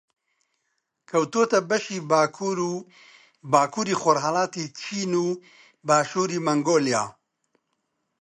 کەوتووەتە بەشی باکوور و باکووری خۆڕھەڵاتی چین و باشووری مەنگۆلیا